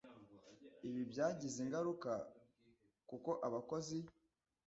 Ibi byagize ingaruka kuko abakozi